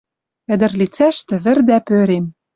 Ӹдӹр лицӓштӹ вӹр дӓ пӧрем...